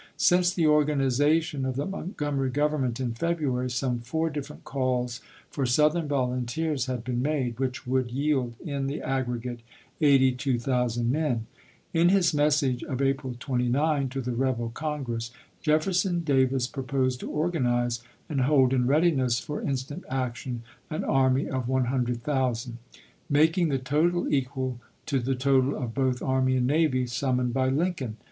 Since the organization of the Montgomery Gov ernment in February, some four different calls for Southern volunteers had been made, which would yield in the aggregate 82,000 men. In his message 1861. of April 29 to the rebel Congress, Jefferson Davis proposed to organize and hold in readiness for instant action an army of 100,000 ;^ making the total equal to the total of both army and navy summoned by Lincoln.